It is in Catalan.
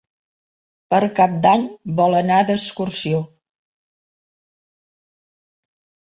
Per Cap d'Any vol anar d'excursió.